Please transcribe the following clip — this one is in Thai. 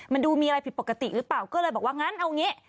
มันดูมีอะไรผิดปกติหรือเปล่าก็เลยบอกว่างั้นเอางี้